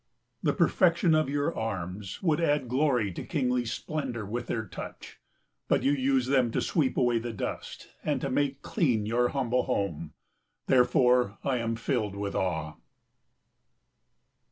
The perfection of your arms would add glory to kingly splendour with their touch. But you use them to sweep away the dust, and to make clean your humble home, therefore I am filled with awe.